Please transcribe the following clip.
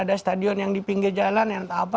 ada stadion yang di pinggir jalan yang apa